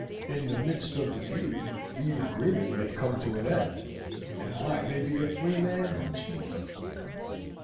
In the midst of the feud, the agreement may come to an end, and I may be a free man once more."